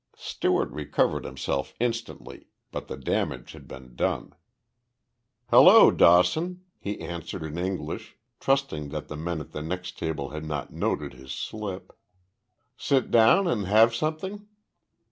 Stewart recovered himself instantly, but the damage had been done. "Hello, Dawson," he answered in English, trusting that the men at the next table had not noted his slip. "Sit down and have something?